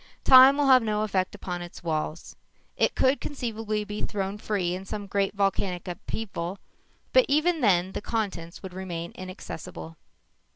Time will have no effect upon its walls. It could conceivably be thrown free in some great volcanic upheaval but even then the contents would remain inaccessible.